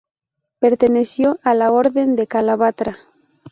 Perteneció a la Orden de Calatrava.